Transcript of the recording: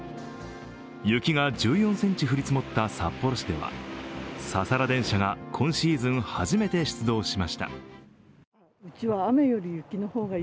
雪が１４ｃｍ降り積もった札幌市では、ササラ電車が今シーズン始めて出動しました。